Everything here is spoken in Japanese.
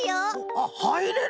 あっはいれる！？